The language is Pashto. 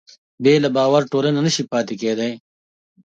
بې له باور ټولنه نهشي پاتې کېدی.